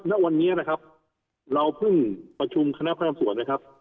ณวันนี้นะครับเราเพิ่งประชุมคณะพนักงานสวนนะครับ